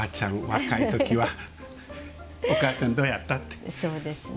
若いときはお母ちゃん、どうやった？って。